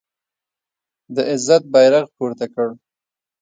د عزت بیرغ پورته کړ